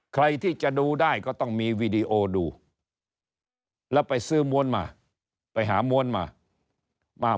ใครที่จะดูได้ก็ต้องมีวีดีโอดูแล้วไปซื้อม้วนมาไปหาม้วนมามา